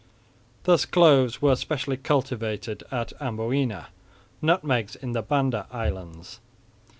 Thus cloves were specially cultivated at Amboina; nutmegs in the Banda islands.